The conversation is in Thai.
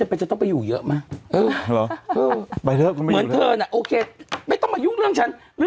ไปแว้นขาวแว้นด่าใครเขาอยู่แล้วเหรอ